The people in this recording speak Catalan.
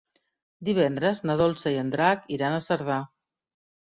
Divendres na Dolça i en Drac iran a Cerdà.